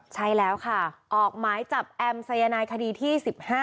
ใช่แล้วค่ะออกหมายจับแอมสายนายคดีที่๑๕